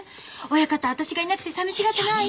親方私がいなくてさみしがってない？」